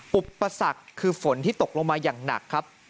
อุปสรรคคือฝนที่ตกลงมาอย่างหนักครับ